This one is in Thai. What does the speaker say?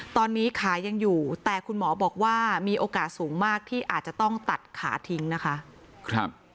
ตอนนี้ขายังอยู่แต่คุณหมอบอกว่ามีโอกาสสูงมากที่อาจจะต้องตัดขาทิ้งนะคะ